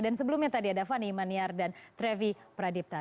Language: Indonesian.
dan sebelumnya tadi ada fani maniar dan trevi pradipta